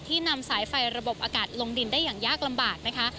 นำสายไฟระบบอากาศลงดินได้อย่างยากลำบากนะคะ